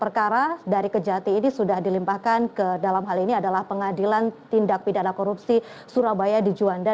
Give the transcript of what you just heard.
perkara dari kejati ini sudah dilimpahkan ke dalam hal ini adalah pengadilan tindak pidana korupsi surabaya di juanda